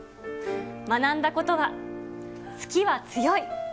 学んだことは、好きは強い。